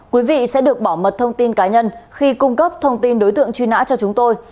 quý vị sẽ được bảo mật thông tin cá nhân khi cung cấp thông tin đối tượng truy nã cho chúng tôi